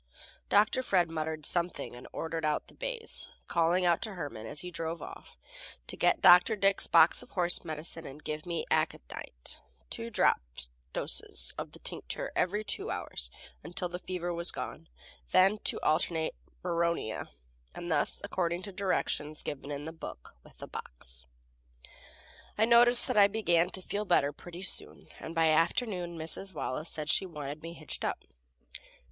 Dr. Fred muttered something and ordered out the bays, calling out to Herman, as he drove off, to get Dr. Dick's box of horse medicine and give me aconite two drop doses of the tincture every two hours until the fever was gone; then to alternate bryonia, and thus according to directions given in the book with the box. I noticed that I began to feel better pretty soon, and by afternoon Mrs. Wallace said she wanted me hitched up.